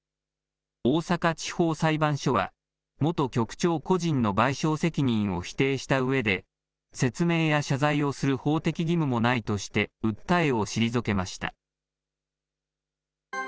大阪地方裁判所は、元局長個人の賠償責任を否定したうえで、説明や謝罪をする法的義務もないとして訴えを退けました。